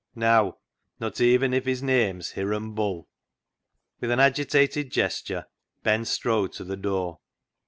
Neaw, not even if his name's Hiram Bull." With an agitated gesture Ben strode to the door.